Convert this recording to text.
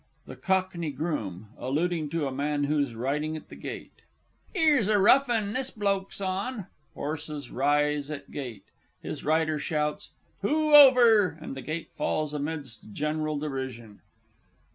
_) THE COCKNEY GROOM (alluding to a man who is riding at the gate). 'Ere's a rough 'un this bloke's on! (_Horse rises at gate; his rider shouts "Hoo, over!" and the gate falls amidst general derision.